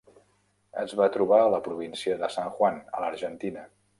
Es va trobar a la província de San Juan, a l'Argentina.